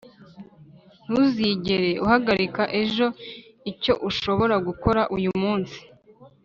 ntuzigere uhagarika ejo icyo ushobora gukora uyu munsi